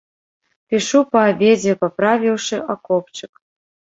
Пішу па абедзе, паправіўшы акопчык.